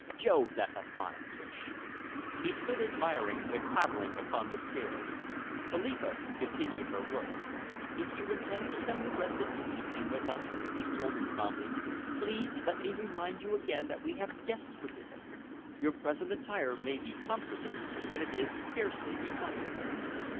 Jove, that's a fine fish." He stood admiring the codling upon the scales. Philippa continued her work. "If you intend to spend the rest of the evening with us," she told him calmly, "please let me remind you again that we have guests for dinner. Your present attire may be comfortable but it is scarcely becoming."